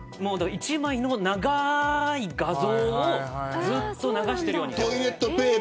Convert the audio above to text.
一枚の長い画像をずっと流していく。